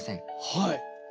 はい。